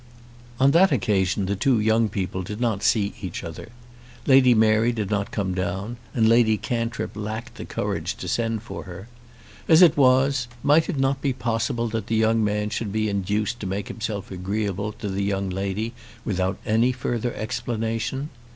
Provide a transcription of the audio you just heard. On that occasion the two young people did not see each other. Lady Mary did not come down, and Lady Cantrip lacked the courage to send for her. As it was, might it not be possible that the young man should be induced to make himself agreeable to the young lady without any further explanation?